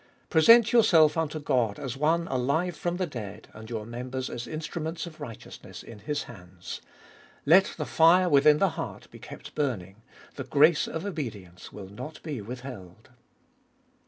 Present yourself unto God as one alive from the dead, and your members as Instruments of righteousness in His hands. Let the fire within the heart be kept burning : the grace of obedience will not be withheld.